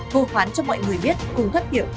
vô thoán cho mọi người biết cùng thoát hiểm